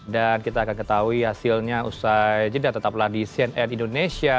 dan kita akan ketahui hasilnya usai jendela tetaplah di cnn indonesia